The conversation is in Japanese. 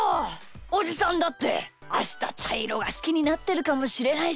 おじさんだってあしたちゃいろがすきになってるかもしれないし。